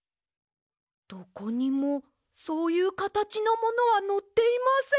どこにもそういうかたちのものはのっていません。